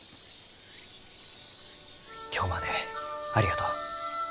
今日までありがとう。